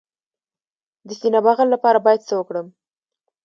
د سینه بغل لپاره باید څه وکړم؟